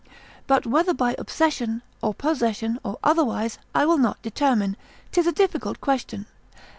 But whether by obsession, or possession, or otherwise, I will not determine; 'tis a difficult question.